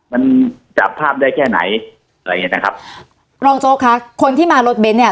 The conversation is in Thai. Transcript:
มันจับภาพได้แค่ไหนอะไรอย่างเงี้นะครับรองโจ๊กคะคนที่มารถเบนท์เนี้ย